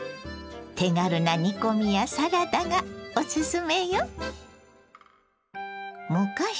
手軽な煮込みやサラダがおすすめよ。